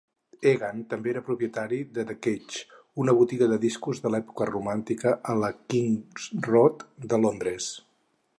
Egan també era propietari de The Cage, una botiga de discos de l'època romàntica a la King's Road de Londres.